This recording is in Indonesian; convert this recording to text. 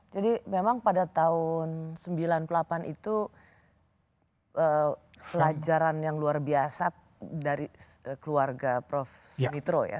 jadi memang pada tahun sembilan puluh delapan itu pelajaran yang luar biasa dari keluarga prof sunitro ya